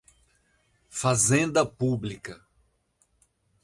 Fazenda Pública